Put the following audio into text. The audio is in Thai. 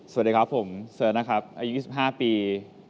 สวัสดีครับผมเชิญนะครับอายุ๒๕ปี